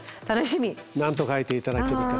何と書いて頂けるか。